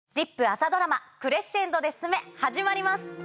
朝ドラマ『クレッシェンドで進め』始まります。